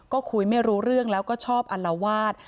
ก็คุยไม่รู้เรื่องแล้วก็ชอบอัลวาด